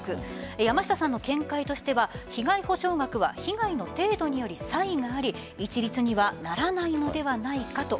山下さんの見解としては被害補償額は被害の程度により差異があり一律にはならないのではないか